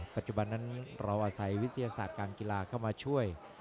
ปัจจุบันนั้นเราอาศัยวิทยาศาสตร์การกีฬาเข้ามาช่วย